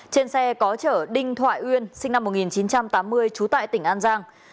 trên xe có chở đinh thoại uyên sinh năm một nghìn chín trăm tám mươi trú tại tỉnh an giang